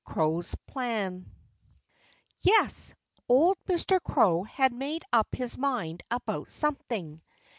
CROW'S PLAN Yes! Old Mr. Crow had made up his mind about something.